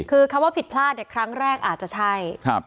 คือเขาว่าผิดพลาดเด็กครั้งแรกอาจจะใช่ครับ